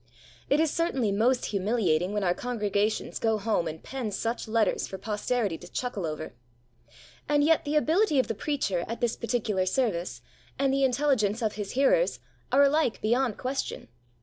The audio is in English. It is certainly most humiliating when our congregations go home and pen such letters for posterity to chuckle over. And yet the ability of the preacher at this particular service, and the intelligence of his hearers, are alike beyond question.